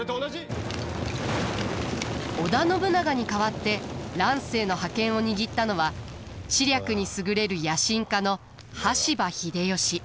織田信長に代わって乱世の覇権を握ったのは知略に優れる野心家の羽柴秀吉。